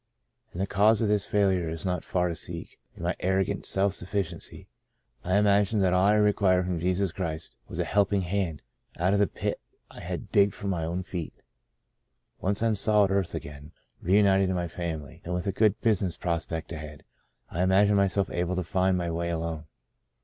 And the cause of this failure is not far to seek. In my arrogant self sufficiency, I imagined that all I required from Jesus Christ was a helping hand out of the pit I had digged for my own feet. Once on solid earth again, reunited to my family, and with a good business prospect ahead, I imagined myself able to find my way alone.